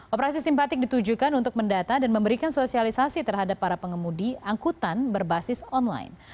operasi simpatik ditujukan untuk mendata dan memberikan sosialisasi terhadap para pengemudi angkutan berbasis online